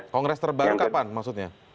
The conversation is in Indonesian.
kongres terbaru kapan maksudnya